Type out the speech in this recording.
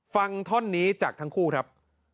ฟังท่อนนี้จากทั้งคู่ครับ